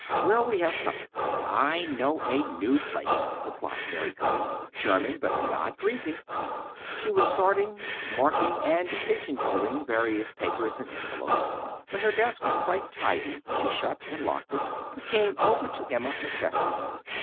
Where'll we have supper?" "I know a new place," replied Mary Cutting. "German, but not greasy." She was sorting, marking, and pigeonholing various papers and envelopes. When her desk was quite tidy she shut and locked it, and came over to Emma McChesney.